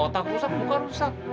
otak rusak muka rusak